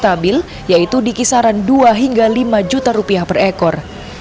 stabil yaitu di kisaran dua hingga lima juta rupiah per ekor